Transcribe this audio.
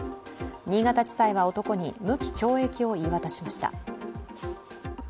新潟地裁は男に無期懲役を言い渡しました。